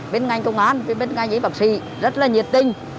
bên ngành công an bên ngành bác sĩ rất là nhiệt tinh